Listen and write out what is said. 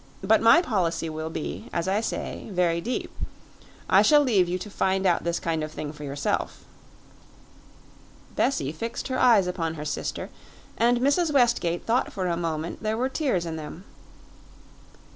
But my policy will be, as I say, very deep. I shall leave you to find out this kind of thing for yourself." Bessie fixed her eyes upon her sister, and Mrs. Westgate thought for a moment there were tears in them.